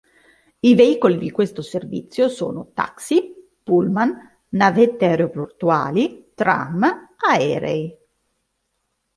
I veicoli di questo servizio sono: "Taxi", "Pullman"Navette Aeroportuali", "Tram","aerei".